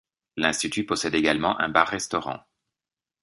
L'institut possède également un bar restaurant.